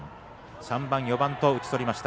３番、４番と打ち取りました。